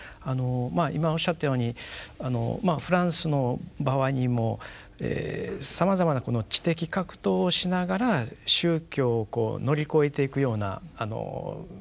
今おっしゃったようにフランスの場合にもさまざまなこの知的格闘をしながら宗教をこう乗り越えていくような運動みたいなものがですね